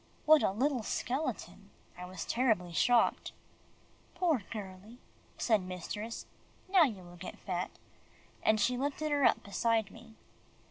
What a little skeleton! I was terribly shocked. "Poor girlie," said mistress, "now you will get fat," and she lifted her up beside me.